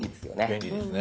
便利ですね。